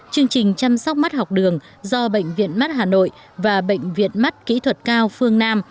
chương trình chăm sóc mắt học đường do bệnh viện mắt hà nội và bệnh viện mắt kỹ thuật cao phương nam